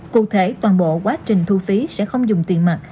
cụ thể toàn bộ quá trình thu phí sẽ không dùng tiền mặt